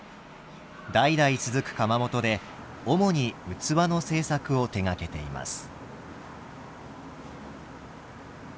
代々続く窯元で主に器の製作を手がけています。